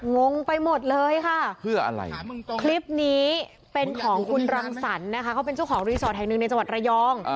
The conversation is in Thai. งงไปหมดเลยค่ะเพื่ออะไรคลิปนี้เป็นของคุณรังสรรค์นะคะเขาเป็นเจ้าของรีสอร์ทแห่งหนึ่งในจังหวัดระยอง